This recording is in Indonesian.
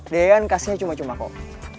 deyan kasihnya cuma cuma kok